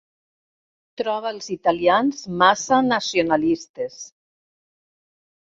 Troba els italians massa nacionalistes.